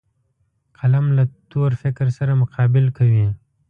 قلم له تور فکر سره مقابل کوي